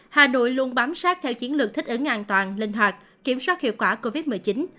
hà nội luôn bám sát theo chiến lược thích ứng an toàn linh hoạt kiểm soát hiệu quả covid một mươi chín